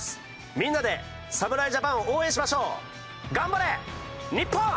みんなで侍ジャパンを応援しましょう！